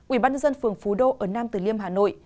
ubnd phường phú đô ở nam từ liêm hà nội